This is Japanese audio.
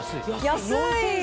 安い！